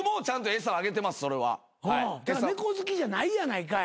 猫好きじゃないやないかい。